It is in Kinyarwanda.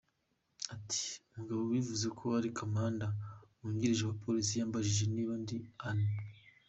Ati: “Umugabo wivuze ko ari komanda wungirije wa polisi yambajije niba ndi Annie.